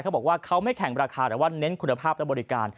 เขาบอกว่าเขาไม่แข่งราคาแต่ว่าเน้นคุณภาพและบริการ